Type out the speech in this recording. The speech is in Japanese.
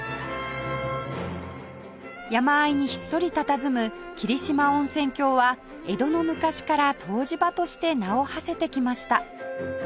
山あいにひっそりたたずむ霧島温泉郷は江戸の昔から湯治場として名をはせてきました